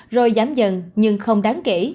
rồi giám dần nhưng không đáng kể